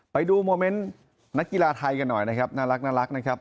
ไปดูโมเมนต์นักกีฬาไทยกันหน่อยนะครับน่ารักนะครับ